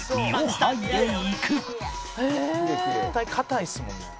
「絶対硬いですもんね」